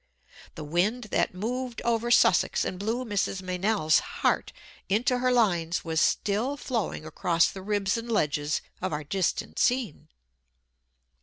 The wind that moved over Sussex and blew Mrs. Meynell's heart into her lines was still flowing across the ribs and ledges of our distant scene.